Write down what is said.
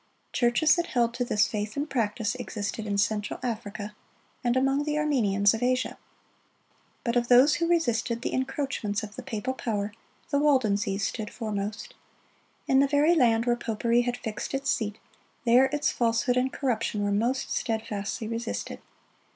Churches that held to this faith and practice, existed in Central Africa and among the Armenians of Asia. But of those who resisted the encroachments of the papal power, the Waldenses stood foremost. In the very land where popery had fixed its seat, there its falsehood and corruption were most steadfastly resisted.